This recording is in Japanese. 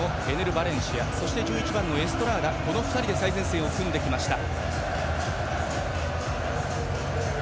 ・バレンシアそして１１番のエストラーダの２人で最前線を組んできました。